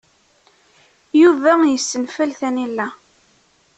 Yuba yessenfel tanila.